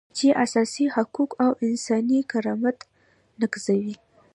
چې اساسي حقوق او انساني کرامت نقضوي.